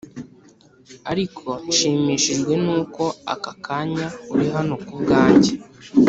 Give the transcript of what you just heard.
ariko nshimishijwe nuko akakanya urihano kubwange